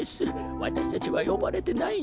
わたしたちはよばれてないんです。